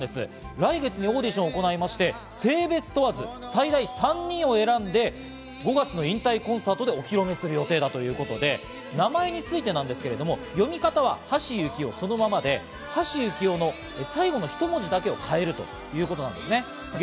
来月にオーディションを行いまして、性別を問わず最大３人を選んで、５月の引退コンサートでお披露目する予定だということで、名前についてなんですけれども、読み方はそのまま橋幸夫で、橋幸夫の最後の一文字だけを変えるということなんですね。